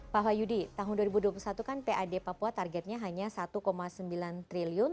pak wahyudi tahun dua ribu dua puluh satu kan pad papua targetnya hanya satu sembilan triliun